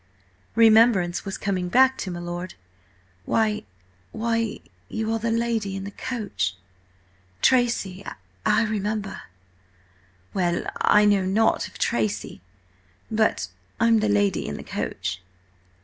Remembrance was coming back to my lord. "Why–why–you are the lady in the coach!–Tracy–I remember!" "Well, I know nought of Tracy, but I'm the lady in the coach."